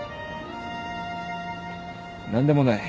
何でもない。